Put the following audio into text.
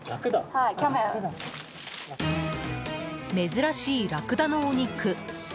珍しいラクダのお肉。